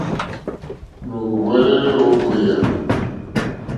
Nù wɛ́lɛ́lɛ́ ó ɡbèyà.